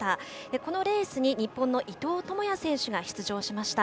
このレースに日本の伊藤智也選手が出場しました。